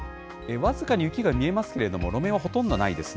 僅かに雪が見えますけれども、路面はほとんどないですね。